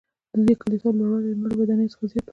ددې کلیساوو لوړوالی له نورو ودانیو څخه زیات و.